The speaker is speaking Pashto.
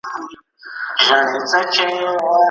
کرۍ ورځ به ومه ستړی ډکول مي ګودامونه